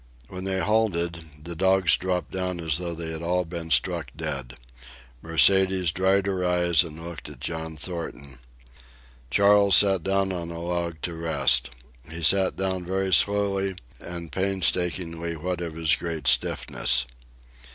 When they halted, the dogs dropped down as though they had all been struck dead. Mercedes dried her eyes and looked at John Thornton. Charles sat down on a log to rest. He sat down very slowly and painstakingly what of his great stiffness.